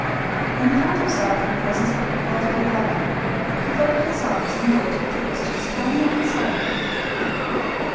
When he found himself in the presence of Lord Glenarvan he folded his arms and awaited the questions calmly and silently.